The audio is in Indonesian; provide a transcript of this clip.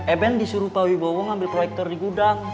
eben disuruh pak wibowo ngambil proyektor di gudang